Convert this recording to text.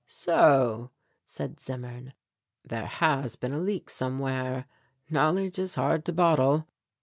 "So," said Zimmern, "there has been a leak somewhere; knowledge is hard to bottle.